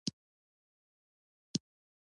مړه ته د دعا ګانو اورېدل غواړو